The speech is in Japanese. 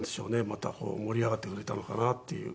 また盛り上がってくれたのかなっていう。